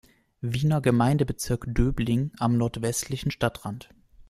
Wiener Gemeindebezirk Döbling am nordwestlichen Stadtrand.